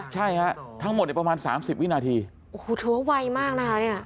ใช่ฮะทั้งหมดเนี่ยประมาณสามสิบวินาทีโอ้โหถือว่าไวมากนะคะเนี่ย